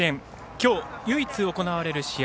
今日唯一行われる試合